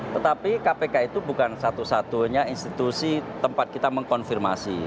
tetapi kpk itu bukan satu satunya institusi tempat kita mengkonfirmasi